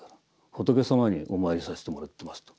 仏様にお参りさせてもらってます」と。